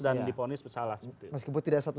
dan diponis bersalah meskipun tidak satu satu